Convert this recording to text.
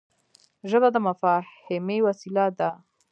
ژبه د مفاهمې وسیله ده